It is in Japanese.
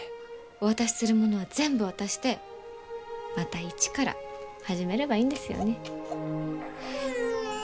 お渡しするものは全部渡してまた一から始めればいいんですよね。